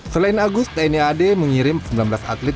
selain agus tni ad mengirim sembilan belas atlet